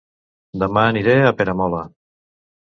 Dema aniré a Peramola